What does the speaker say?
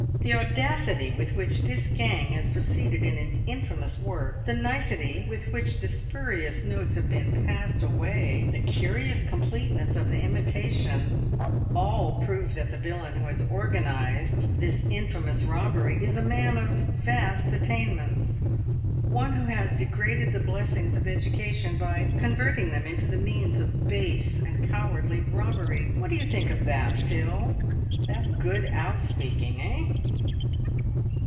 "' The audacity with which this gang has proceeded in its infamous work, the nicety with which the spurious notes have been passed away, the curious completeness of the imitation, all prove that the villain who has organised this infamous robbery is a man of vast attainments — one who has degraded the blessings of education by converting them into the means of base and cowardly robbery.' "What do you think of that, Phil ? That's good outspeaking, eh